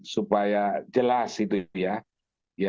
supaya jelas itu ya